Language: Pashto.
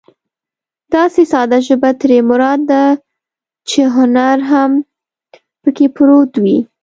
داسې ساده ژبه ترې مراد ده چې هنر هم پکې پروت وي.